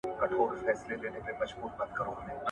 حکومت به د شورا د لارښوونو پر بنسټ کار کړی وي.